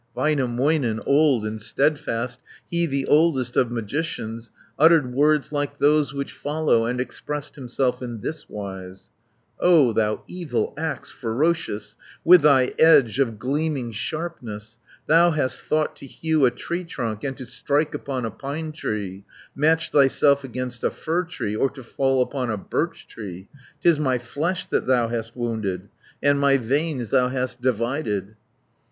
Väinämöinen, old and steadfast, He, the oldest of magicians, Uttered words like those which follow, And expressed himself in this wise: "O thou evil axe ferocious, With thy edge of gleaming sharpness, 170 Thou hast thought to hew a tree trunk, And to strike upon a pine tree, Match thyself against a fir tree, Or to fall upon a birch tree. 'Tis my flesh that thou hast wounded, And my veins thou hast divided."